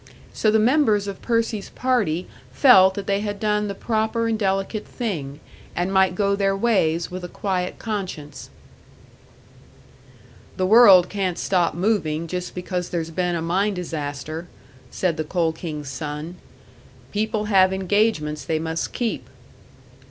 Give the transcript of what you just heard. So the members of Percy's party felt that they had done the proper and delicate thing, and might go their ways with a quiet conscience. "The world can't stop moving just because there's been a mine disaster," said the Coal King's son. "People have engagements they must keep."